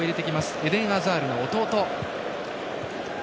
エデン・アザールの弟。